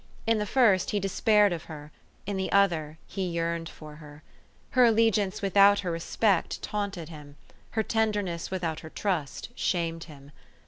In the first he despaired of her ; in the other he yearned for her. Her allegi ance without her respect taunted him ; her tender ness without her trust shamed him.